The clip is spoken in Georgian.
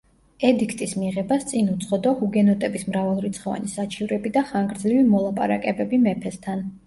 ედიქტის მიღებას წინ უძღოდა ჰუგენოტების მრავალრიცხოვანი საჩივრები და ხანგრძლივი მოლაპარაკებები მეფესთან.